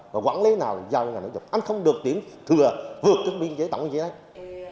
và quản lý thế nào là giao cho ngành nội dục anh không được tiễn thừa vượt cái biên chế tổng biên chế đấy